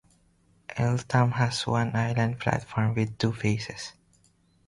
Eltham has one island platform with two faces.